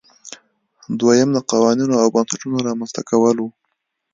دویم د قوانینو او بنسټونو رامنځته کول وو.